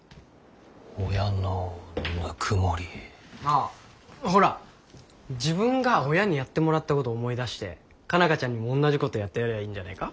あっほら自分が親にやってもらったことを思い出して佳奈花ちゃんにもおんなじことをやってやりゃあいいんじゃねえか？